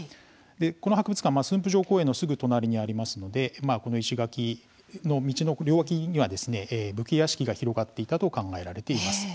この博物館は、駿府城公園のすぐ隣にありますのでこの石垣の道の両脇には武家屋敷が広がっていたと考えられています。